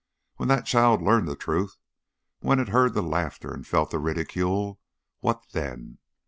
When that child learned the truth, when it heard the laughter and felt the ridicule, what then?